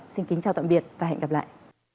xin kính chào tạm biệt và hẹn gặp lại